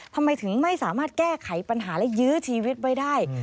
ทำไมถึงไม่สามารถแก้ไขปัญหาและยื้อชีวิตไว้ได้